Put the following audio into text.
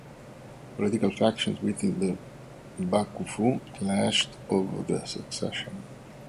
Political factions within the "bakufu" clashed over the succession.